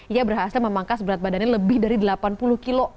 ia berhasil memangkas berat badannya lebih dari delapan puluh kg